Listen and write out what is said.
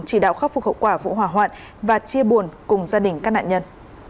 chỉ đạo khắc phục hậu quả vụ hỏa hoạn và chia buồn cùng gia đình các nạn nhân